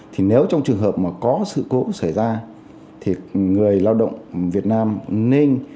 thì nếu trong trường hợp mà có sự cố xảy ra thì người lao động việt nam nên